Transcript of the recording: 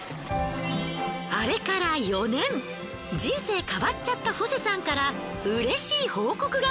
あれから４年人生変わっちゃったホセさんからうれしい報告が。